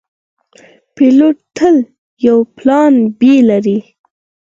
پیلوټ تل یو پلان “B” لري.